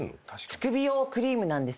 乳首用クリームなんですよ。